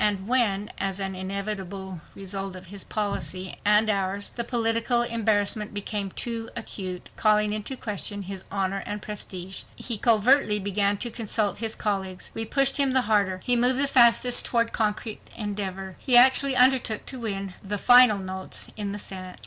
And when, as an inevitable result of his policy—and ours—the political embarrassment became too acute, calling into question his honor and prestige, he covertly began to consult his colleagues. We pushed him the harder. He moved the faster toward concrete endeavor. He actually undertook to win the final votes in the Senate.